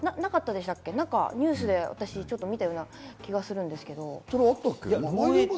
何かニュースでは私、見たような気がするんですけど。